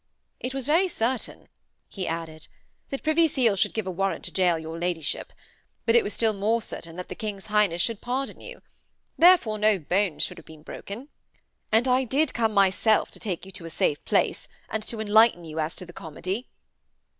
'It was very certain,' he added, 'that Privy Seal should give a warrant to gaol your la'ship. But it was still more certain that the King's Highness should pardon you. Therefore no bones should have been broken. And I did come myself to take you to a safe place, and to enlighten you as to the comedy.'